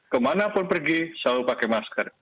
kemana pun pergi selalu pakai masker